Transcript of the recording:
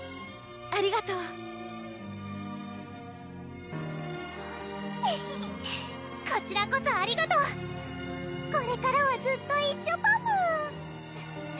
ありがとうエヘヘこちらこそありがとうこれからはずっと一緒パム！